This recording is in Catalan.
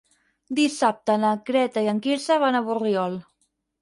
Dissabte na Greta i en Quirze van a Borriol.